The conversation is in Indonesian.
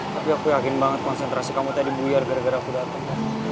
tapi aku yakin banget konsentrasi kamu tadi buyar gara gara aku datang